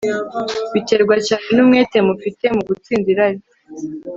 biterwa cyane numwete mufite mu gutsinda irari